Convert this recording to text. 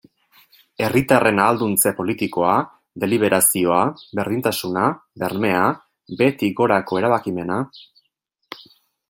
Herritarren ahalduntze politikoa, deliberazioa, berdintasuna, bermea, behetik gorako erabakimena...